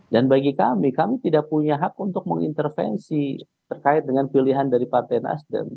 dan bagi kami kami tidak punya hak untuk mengintervensi terkait dengan pilihan dari partai nasdem